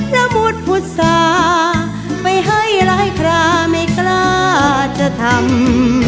และบุฏภุตสาไปให้รายคลาไม่กล้าจะทำ